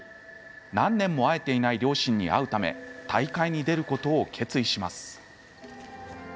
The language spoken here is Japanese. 何年も会えていない両親に会うため大会に出ることを決意します。